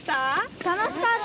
楽しかった。